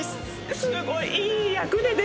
すごい。